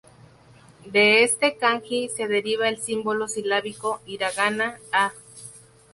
De este kanji se deriva el símbolo silábico hiragana あ "a".